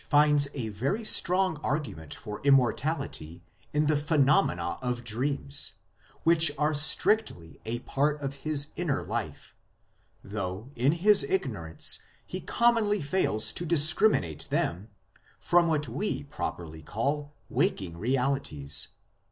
finds a very strong argument for immor tality in the phenomena of dreams, which are strictly a part of his inner life, though in his ignorance he commonly fails to discriminate them from what we popularly call waking realities.